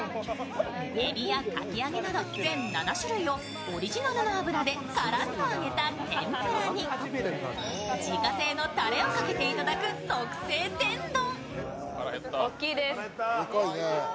えびやかき揚げなど全７種類をオリジナルの油でカラッと揚げた天ぷらに自家製のたれをかけていただく特製天丼。